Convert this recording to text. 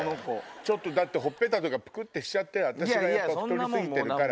ちょっとだってほっぺたとかぷくってしちゃって私がやっぱ太り過ぎてるから。